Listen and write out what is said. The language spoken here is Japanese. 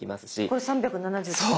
これ３７０円。